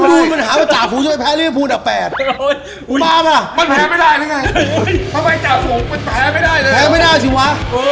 คุณดูมัญหามันจับกูจะไม่แพ้หรือไม่พูดับแปดมันแพ้ไม่ได้เลยไม่ได้สิวะ